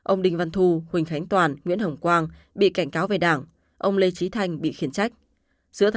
ông đinh văn thu huỳnh khánh toàn nguyễn hồng quang bị cảnh cáo về đảng ông lê trí thanh bị khiển trách